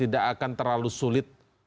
tidak akan terlalu sulit